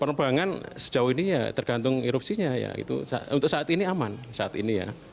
penerbangan sejauh ini ya tergantung erupsinya untuk saat ini aman